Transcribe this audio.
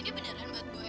ini beneran buat gue